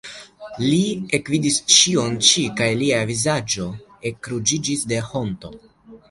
Li ekvidis ĉion ĉi, kaj lia vizaĝo ekruĝiĝis de honto.